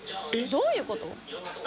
どういうこと？